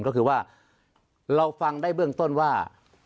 ก็คือว่าเราฟังได้เบื้องต้นว่า